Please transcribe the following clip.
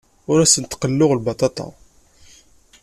Ur asent-d-qelluɣ lbaṭaṭa.